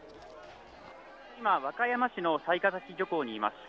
今、和歌山市の雑賀崎漁港にいます。